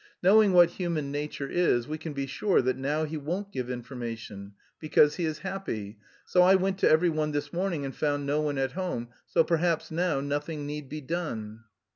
"Knowing what human nature is, we can be sure that now he won't give information... because he is happy.... So I went to every one this morning and found no one at home, so perhaps now nothing need be done...."